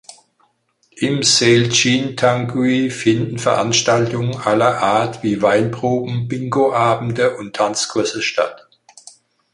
Im „Salle Jean-Tanguy“ finden Veranstaltungen aller Art wie Weinproben, Bingo-Abende und Tanzkurse statt.